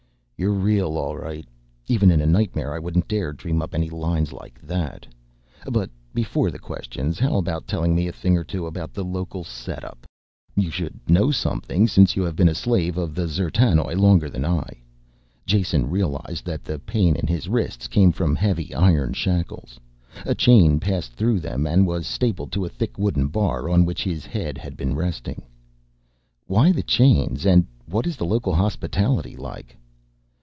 "You're real all right. Even in a nightmare I wouldn't dare dream up any lines like that. But before the questions, how about telling me a thing or two about the local setup, you should know something since you have been a slave of the D'zertanoj longer than I have." Jason realized that the pain in his wrists came from heavy iron shackles. A chain passed through them and was stapled to a thick wooden bar on which his head had been resting. "Why the chains and what is the local hospitality like?"